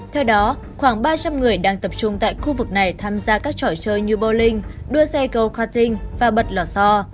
theo đó khoảng ba trăm linh người đang tập trung tại khu vực này tham gia các trò chơi như bowling đua xe golf carting và bật lò xo